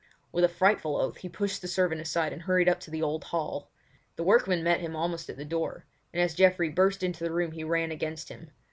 With a frightful oath he pushed the servant aside and hurried up to the old hall. The workman met him almost at the door; and as Geoffrey burst into the room he ran against him.